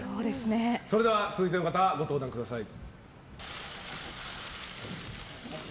それでは続いての方ご登壇ください。